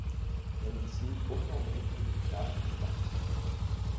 Renuncio formalmente a meus cargos no Partido